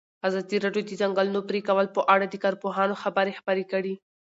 ازادي راډیو د د ځنګلونو پرېکول په اړه د کارپوهانو خبرې خپرې کړي.